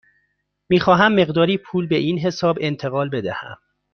می خواهم مقداری پول به این حساب انتقال بدهم.